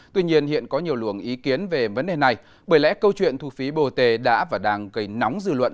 tuy nhiên hiện có nhiều luồng ý kiến về vấn đề này bởi lẽ câu chuyện thu phí bot đã và đang gây nóng dư luận